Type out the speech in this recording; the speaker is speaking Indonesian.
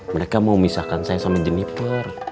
mereka mau misahkan saya sama jeniper